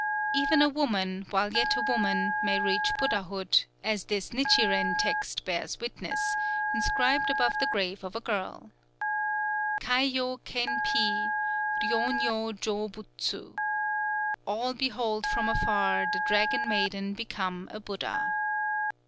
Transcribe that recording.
Even a woman, while yet a woman, may reach Buddhahood, as this Nichiren text bears witness, inscribed above the grave of a girl: KAI YO KEN PI RYŌ NYŌ JŌ BUTSU. "_All beheld from afar the Dragon Maiden become a Buddha.